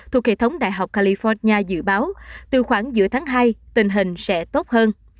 thuộc hệ thống đại học california dự báo từ khoảng giữa tháng hai tình hình sẽ tốt hơn